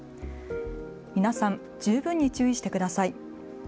皆さん、十分に注意してください。